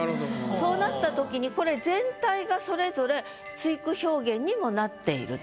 そうなった時にこれ全体がそれぞれ対句表現にもなっていると。